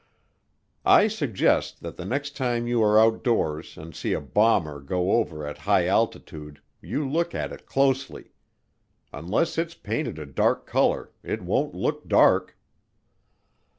I suggest that the next time you are outdoors and see a bomber go over at high altitude you look at it closely. Unless it's painted a dark color it won't look dark.